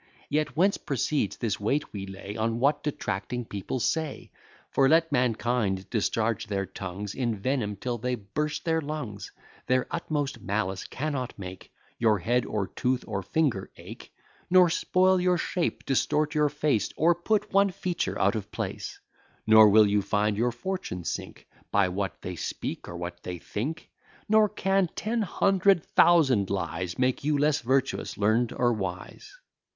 Yet whence proceeds this weight we lay On what detracting people say! For let mankind discharge their tongues In venom, till they burst their lungs, Their utmost malice cannot make Your head, or tooth, or finger ache; Nor spoil your shape, distort your face, Or put one feature out of place; Nor will you find your fortune sink By what they speak or what they think; Nor can ten hundred thousand lies Make you less virtuous, learn'd, or wise.